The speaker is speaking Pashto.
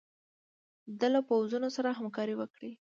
ده له پوځونو سره همکاري وکړي.